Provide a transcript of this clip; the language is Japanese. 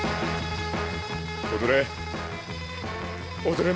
踊れ。